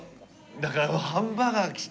だからハンバーガー。